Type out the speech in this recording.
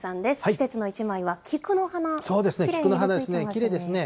季節の１枚は菊の花、きれいに色づいてますね。